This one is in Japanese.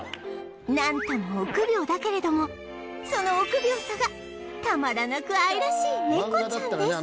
なんとも臆病だけれどもその臆病さがたまらなく愛らしいネコちゃんです